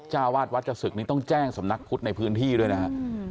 เจ้าวาดวัดจศึกนี้ต้องแจ้งสำนักพุทธในพื้นที่ด้วยนะฮะ